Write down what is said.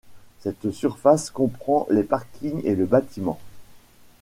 Cette surface comprend les parkings et le bâtiment.